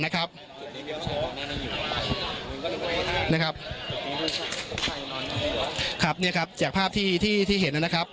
นะครับครับเนี่ยครับจากภาพที่ที่ที่เห็นนั่นนะครับ